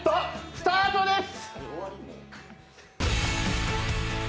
スタートです！